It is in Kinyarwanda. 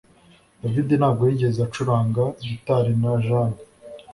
David ntabwo yigeze acuranga gitari na Jane